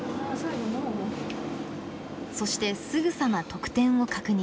そしてすぐさま得点を確認。